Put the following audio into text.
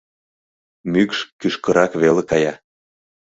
Мӱкш кӱшкырак веле кая.